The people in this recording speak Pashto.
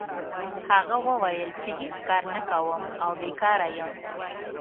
هغه وویل چې هېڅ کار نه کوم او بیکاره یم.